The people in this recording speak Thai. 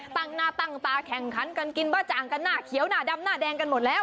ตั้งหน้าตั้งตาแข่งขันกันกินบ้าจ่างกันหน้าเขียวหน้าดำหน้าแดงกันหมดแล้ว